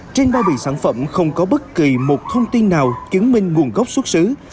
trên bao bì sản phẩm không có bất kỳ một thông tin nào chứng minh nguồn gốc xuất xứ